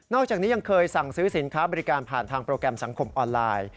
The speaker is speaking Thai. อกจากนี้ยังเคยสั่งซื้อสินค้าบริการผ่านทางโปรแกรมสังคมออนไลน์